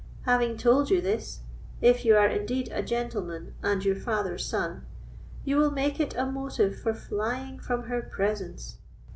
Having told you this—if you are indeed a gentleman and your father's son—you will make it a motive for flying from her presence.